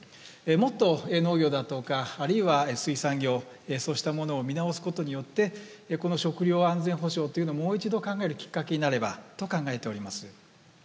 もっと農業だとかあるいは水産業そうしたものを見直すことによってこの食料安全保障というのをもう一度考えるきっかけになればと考えております。